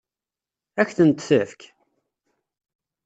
Ad k-tent-tefk?